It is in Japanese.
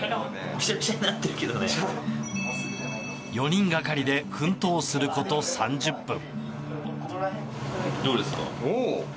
４人がかりで奮闘すること３０分。